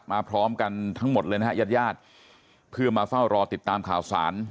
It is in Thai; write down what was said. พร้อมกันทั้งหมดเลยนะฮะญาติญาติเพื่อมาเฝ้ารอติดตามข่าวสาร